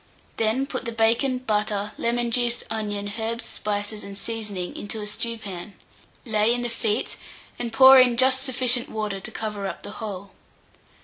Then put the bacon, butter, lemon juice, onion, herbs, spices, and seasoning into a stewpan; lay in the feet, and pour in just sufficient water to cover the whole.